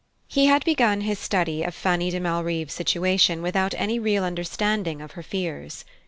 He had begun his study of Fanny de Malrive's situation without any real understanding of her fears.